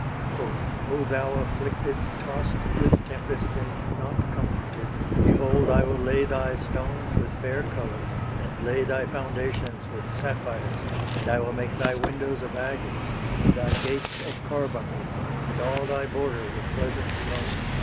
"O thou afflicted, tossed with tempest, and not comforted, behold, I will lay thy stones with fair colours, and lay thy foundations with sapphires. And I will make thy windows of agates, and thy gates of carbuncles, and all thy borders of pleasant stones.